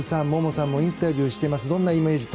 萌々さんもインタビューしています。